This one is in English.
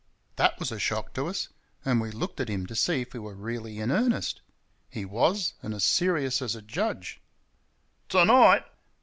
That was a shock to us, and we looked at him to see if he were really in earnest. He was, and as serious as a judge. "TO NIGHT!"